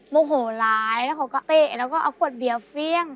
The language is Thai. มวงโหล้แล้วก็เตะแล้วก็เอากวดเบียบเพี้ยง